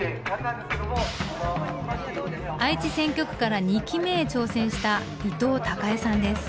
愛知選挙区から２期目へ挑戦した伊藤孝恵さんです。